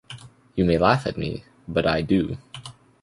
You may laugh at me, but I do.